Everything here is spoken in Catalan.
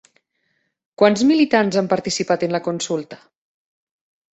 Quants militants han participat en la consulta?